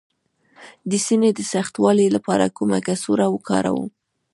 د سینې د سختوالي لپاره کومه کڅوړه وکاروم؟